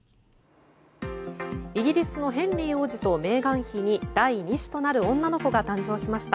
イギリスのヘンリー王子とメーガン妃に第２子となる女の子が誕生しました。